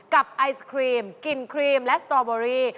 ไอศครีมกลิ่นครีมและสตรอเบอรี่